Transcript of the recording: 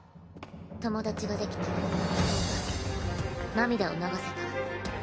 友達ができて人を助けて涙を流せた。